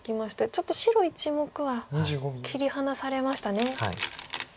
ちょっと白１目は切り離されましたね。